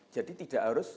jadi tidak harus